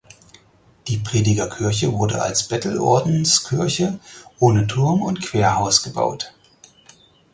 Die Predigerkirche wurde als Bettelordenskirche ohne Turm und Querhaus gebaut.